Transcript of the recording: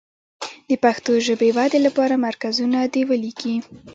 د پښتو ژبې ودې لپاره مرکزونه دې ولیکي.